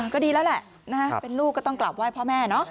ก็ดีแล้วแหละเป็นลูกก็ต้องกลับไหว้พ่อแม่เนาะ